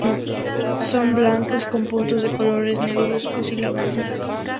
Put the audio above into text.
Son blancos con puntos de colores negruzcos y lavanda.